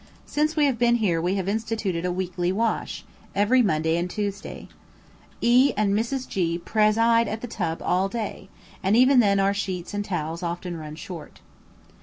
Since we have been here we have instituted a weekly wash, every Monday and Tuesday. E and Mrs. G preside at the tub all day, and even then our sheets and towels often run short.